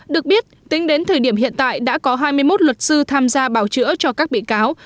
được biết tính đến thời điểm hiện tại đã có hai mươi một luật sư tham gia bảo chữa cho các bị cáo